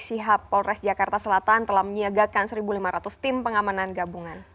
sihab polres jakarta selatan telah menyiagakan satu lima ratus tim pengamanan gabungan